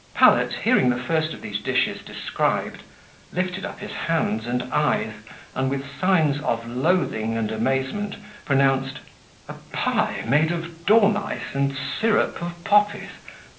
Pallet, hearing the first of these dishes described, lifted up his hands and eyes, and with signs of loathing and amazement, pronounced, "A pie made of dormice and syrup of poppies!